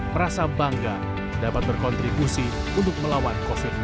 merasa bangga dapat berkontribusi untuk melawan covid sembilan belas